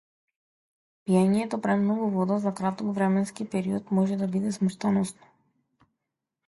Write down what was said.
Пиењето премногу вода за краток временски период може да биде смртоносно.